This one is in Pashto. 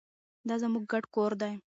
دا زموږ ګډ کور دی.